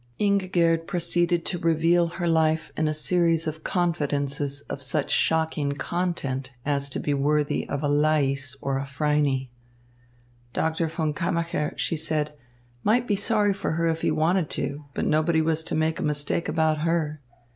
Ingigerd proceeded to reveal her life in a series of confidences of such shocking content as to be worthy of a Laïs or a Phryne. Doctor von Kammacher, she said, might be sorry for her if he wanted to, but nobody was to make a mistake about her.